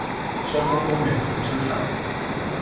雙峰公園停車場